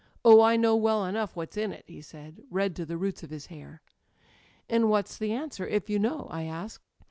*Oh, I know well enough what's in it!* he said, red to the roots of his hair. "*And what's the answer, if you know?' I asked.